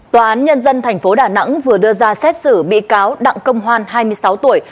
tòa án nhân dân tp đà nẵng vừa đưa ra xét xử bị cáo đặng công hoan hai mươi sáu tuổi